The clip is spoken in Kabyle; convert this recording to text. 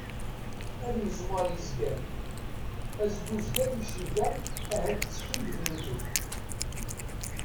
Angeẓwer yezgan, azbu sdat icenga ahat ttekkin di tmentilt.